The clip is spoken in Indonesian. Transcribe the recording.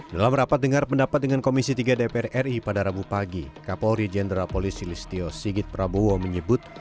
dalam rapat dengar pendapat dengan komisi tiga dpr ri pada rabu pagi kapolri jenderal polisi listio sigit prabowo menyebut